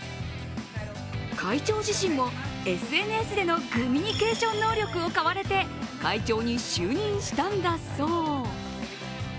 会長自身も、ＳＮＳでのグミニケーション能力を買われて会長に就任したんだそう。